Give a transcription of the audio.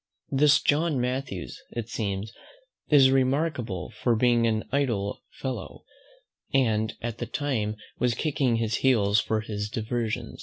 This John Mathews it seems is remarkable for being an idle fellow, and at that time was kicking his heels for his diversion.